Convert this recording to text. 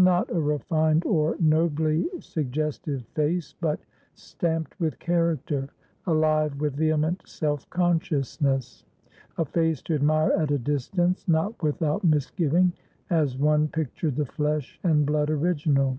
Not a refined or nobly suggestive face, but stamped with character, alive with vehement self consciousness; a face to admire at a distance, not without misgiving as one pictured the flesh and blood original.